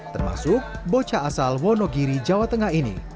termasuk bocah asal wonogiri jawa tengah ini